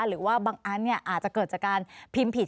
หรือว่าบางอันอาจจะเกิดจากการพิมพ์ผิด